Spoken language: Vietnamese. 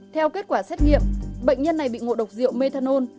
theo kết quả xét nghiệm bệnh nhân này bị ngộ độc rượu methanol